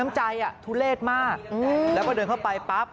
มันไม่ได้ผิด